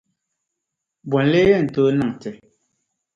Bɔ n-lee n tooi n-niŋ ti?